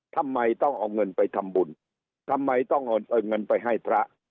ทำไมต้องเอาเงินไปทำบุญทำไมต้องเอาเงินไปให้พระ